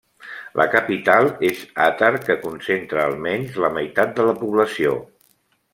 La capital és Atar que concentra almenys la meitat de la població.